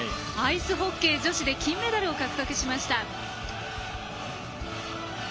アイスホッケー女子で金メダルを獲得しました。